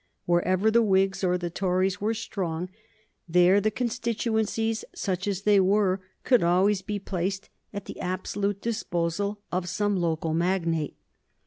Wherever the Whigs or the Tories were strong, there the constituencies, such as they were, could always be placed at the absolute disposal of some local magnate.